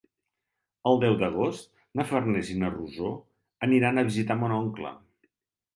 El deu d'agost na Farners i na Rosó aniran a visitar mon oncle.